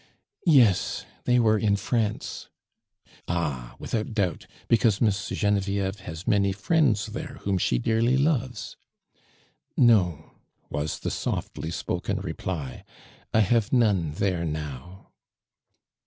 " Yes, they were in France." •'Ah, without doubt, because Miss (iene vieve has many friends there whom she dearly loves!"' •' No," was the softly spoken reply, '' I have none there now.